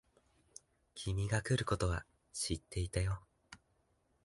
君が来ることは知ってたよ。